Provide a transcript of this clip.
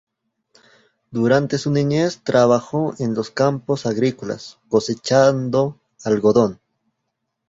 Durante su niñez trabajó en los campos agrícolas cosechando algodón.